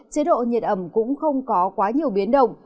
chế độ nhiệt ẩm cũng không có quá nhiều biến động